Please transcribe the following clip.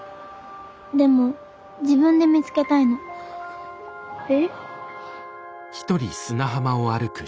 でも自分で見つけたいの。え？